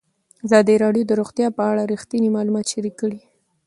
ازادي راډیو د روغتیا په اړه رښتیني معلومات شریک کړي.